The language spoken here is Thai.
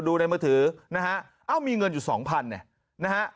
ดูในมือถือนะฮะเอ้ามีเงินอยู่สองพันเนี่ยนะฮะ